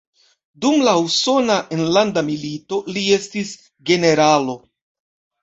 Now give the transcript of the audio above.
Dum la Usona Enlanda Milito li estis generalo.